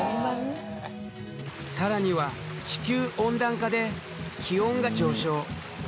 更には地球温暖化で気温が上昇。